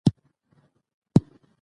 په خج کې روښانه او کلک وي.